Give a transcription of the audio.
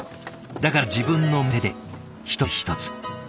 だから自分の目と手で一つ一つ。